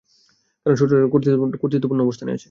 কারণ শত্রুরা কর্তৃত্বপূর্ণ অবস্থানে আছে।